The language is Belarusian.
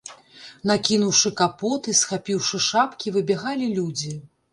Накінуўшы капоты, схапіўшы шапкі, выбягалі людзі.